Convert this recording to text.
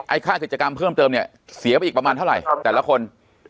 ค่ากิจกรรมเพิ่มเติมเนี่ยเสียไปอีกประมาณเท่าไหร่แต่ละคน